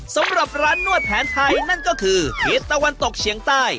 สำหรับร้านนวดแผนไทยนั่นก็คือทิศตะวันตกเฉียงใต้